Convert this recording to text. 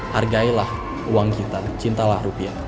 hargailah uang kita cintalah rupiah